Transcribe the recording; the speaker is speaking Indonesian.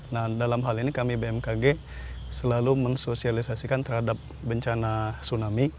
nah dalam hal ini kami bmkg selalu mensosialisasikan terhadap bencana tsunami